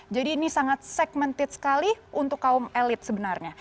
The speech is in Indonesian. jadi ini sangat segmented sekali untuk kaum elit sebenarnya